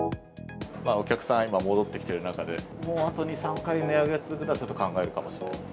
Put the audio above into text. お客さん、今、戻ってきている中で、もうあと２、３回値上げが続いたら考えるかもしれないです。